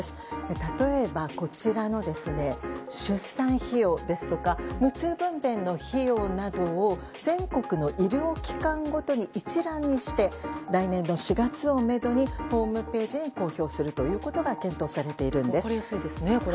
例えば、出産費用ですとか無痛分娩の費用などを全国の医療機関ごとに一覧にして来年の４月をめどにホームページに公表するということが検討されているんです。